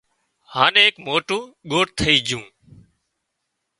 هانَ ايڪ موٽون ڳوٺ ٿئي جھون